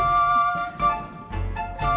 siapa sih bang